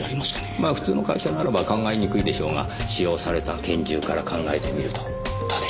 まあ普通の会社ならば考えにくいでしょうが使用された拳銃から考えてみるとどうでしょう。